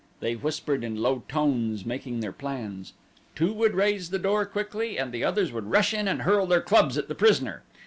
They whispered in low tones making their plans. Two would raise the door quickly and the others would rush in and hurl their clubs at the prisoner.